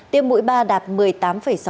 tiêm mũi ba đạt một mươi tám sáu